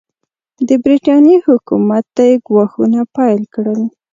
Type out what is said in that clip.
د برټانیې حکومت ته یې ګواښونه پیل کړل.